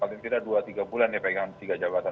paling tidak dua tiga bulan dia pegang tiga jabatan